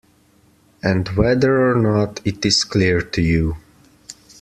And whether or not it is clear to you